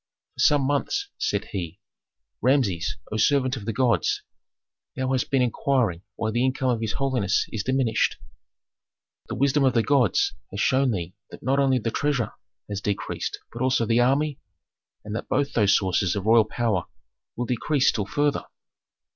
"For some months," said he, "Rameses, O servant of the gods, thou hast been inquiring why the income of his holiness is diminished. The wisdom of the gods has shown thee that not only the treasure has decreased but also the army, and that both those sources of royal power will decrease still further.